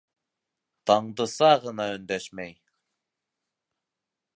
Таңдыса ғына өндәшмәй.